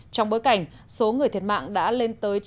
trong bối cảnh số người thiệt mạng đã lên tới